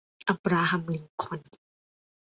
อับราฮัม ลิงคอล์น